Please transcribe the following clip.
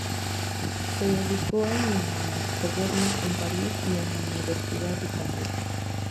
Se educó en la Sorbona, en París, y en la Universidad de Cambridge.